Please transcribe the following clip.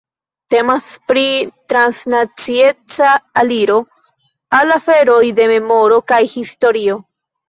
Temas pri transnacieca aliro al aferoj de memoro kaj historio.